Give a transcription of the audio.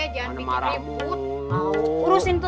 jangan bikin ribut